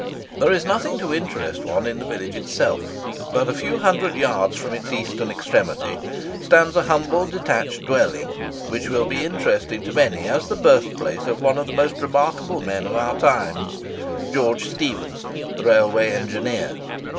There is nothing to interest one in the village itself. But a few hundred yards from its eastern extremity stands a humble detached dwelling, which will be interesting to many as the birthplace of one of the most remarkable men of our times—George Stephenson, the Railway Engineer.